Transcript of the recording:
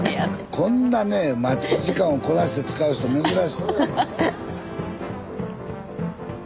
こんなね待ち時間をこないして使う人珍しい。